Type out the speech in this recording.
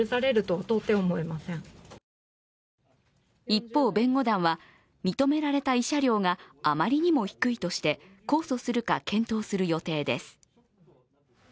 一方、弁護団は認められた慰謝料があまりにも低いとして控訴するか検討する予定です。